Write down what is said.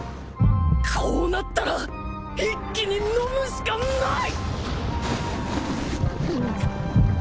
こうなったら一気に飲むしかない！